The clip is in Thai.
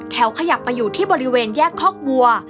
ขยับไปอยู่ที่บริเวณแยกคอกวัว